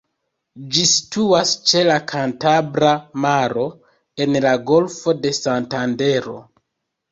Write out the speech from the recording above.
Ĝi situas ĉe la Kantabra Maro, en la Golfo de Santandero.